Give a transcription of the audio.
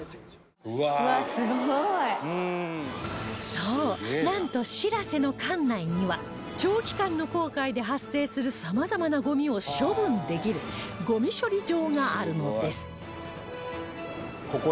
そうなんと「しらせ」の艦内には長期間の航海で発生する様々なゴミを処分できるゴミ処理場があるのです